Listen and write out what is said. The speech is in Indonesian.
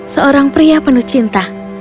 seorang pria penuh cinta